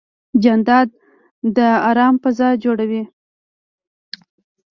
جانداد د ارام فضا جوړوي.